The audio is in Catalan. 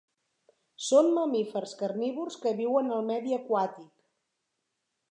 Són mamífers carnívors que viuen al medi aquàtic.